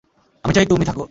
আমি চাই তুমি থাকো।